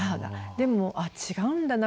でも「あっ違うんだな。